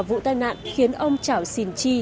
vụ tai nạn khiến ông trảo sìn chi